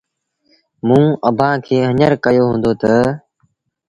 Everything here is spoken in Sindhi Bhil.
موٚنٚ اڀآنٚ کي هڃر ڪهيو هُݩدو تا